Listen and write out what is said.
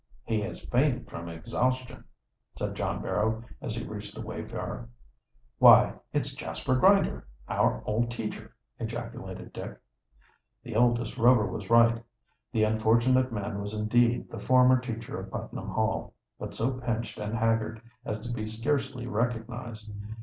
"He has fainted from exhaustion," said John Barrow, as he reached the wayfarer. "Why, it's Jasper Grinder, our old teacher," ejaculated Dick. The eldest Rover was right. The unfortunate man was indeed the former teacher of Putnam Hall, but so pinched and haggard as to be scarcely recognized.